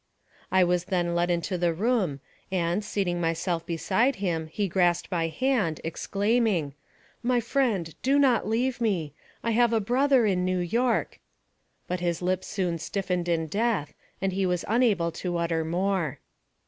I was then led into the room, and, seating myself beside him, he grasped my hand, exclaiming: "My friend, do not leave me. I have a brother in New York " but his lips soon stiffened in death, and he was unable to utter more.